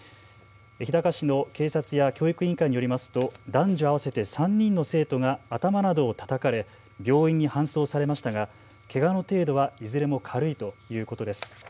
日高市の警察や教育委員会によりますと男女合わせて３人の生徒が頭などをたたかれ病院に搬送されましたが、けがの程度はいずれも軽いということです。